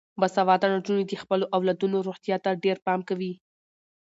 باسواده نجونې د خپلو اولادونو روغتیا ته ډیر پام کوي.